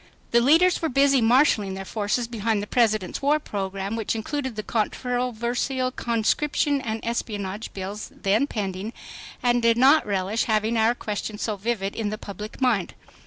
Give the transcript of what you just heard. The leaders were busy marshaling their forces behind the President's war program, which included the controversial Conscription and Espionage Bills, then pending, and did not relish having our question so vivid in the public mind.